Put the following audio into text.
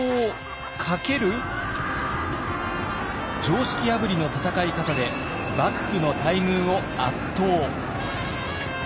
常識破りの戦い方で幕府の大軍を圧倒。